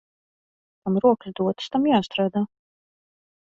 Kam rokas dotas, tam jāstrādā.